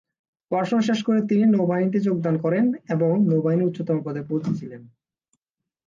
পড়াশোনা শেষ করে তিনি নৌবাহিনীতে যোগদান করেন এবং নৌবাহিনীর উচ্চতম পদে পৌঁছেছিলেন।